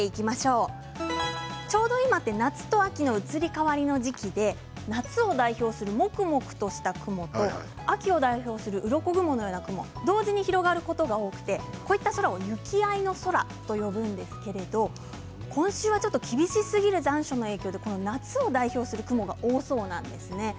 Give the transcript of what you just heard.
今、ちょうど夏と秋の移り変わりの時期で夏を代表するもくもくした雲と、秋を代表するうろこ雲のような雲が多くて同時に広がることが多くて行合の空といいますが今週は厳しすぎる残暑の影響で夏を代表する雲が多そうなんです。